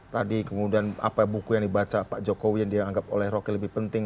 tadi kemudian apa buku yang dibaca pak jokowi yang dianggap oleh roky lebih penting